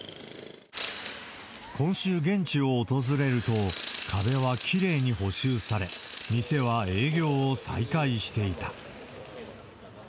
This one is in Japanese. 今週、現地を訪れると、壁はきれいに補修され、店は営業を再開していた。